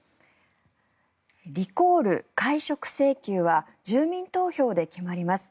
リコール、解職請求は住民投票で決まります。